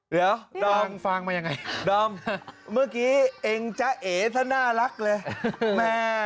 เดี๋ยวดอมฟังมายังไงดอมเมื่อกี้เองจ๊ะเอ๋ท่านน่ารักเลยแม่